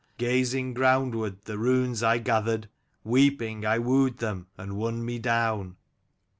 Gazing groundward The runes I gathered; Weeping I wooed them, And won me down."